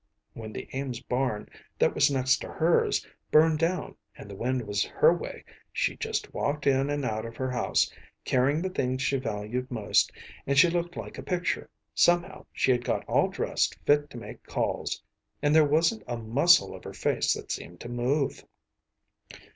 When the Ames’s barn, that was next to hers, burned down and the wind was her way, she just walked in and out of her house, carrying the things she valued most, and she looked like a picture somehow she had got all dressed fit to make calls and there wasn’t a muscle of her face that seemed to move.